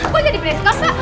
pak jadi psk mbak